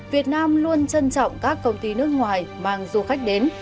việt nam luôn trân trọng các công ty nước ngoài mang du khách đến